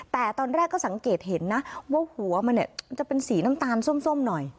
แต่ตอนแรกก็สังเกตเห็นนะว่าหัวมันเนี่ยมันจะเป็นสีน้ำตาลส้มหน่อย